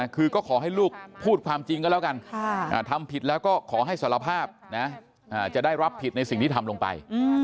คือก็ขอให้ลูกพูดความจริงก็แล้วกันทำผิดแล้วก็ขอให้สารภาพนะจะได้รับผิดในสิ่งที่ทำลงไป